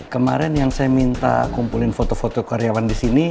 kemarin yang saya minta kumpulin foto foto karyawan di sini